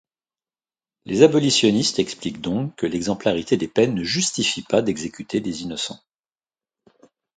Les abolitionnistes expliquent donc que l'exemplarité des peines ne justifie pas d'exécuter des innocents.